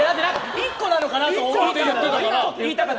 １個なのかなと思って。